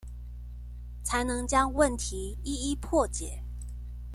才能將問題一一破解